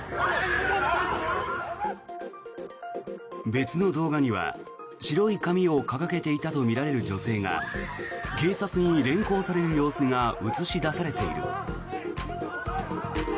別の動画には、白い紙を掲げていたとみられる女性が警察に連行される様子が映し出されている。